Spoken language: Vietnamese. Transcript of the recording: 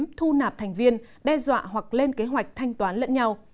không chỉ thu nạp thành viên đe dọa hoặc lên kế hoạch thanh toán lẫn nhau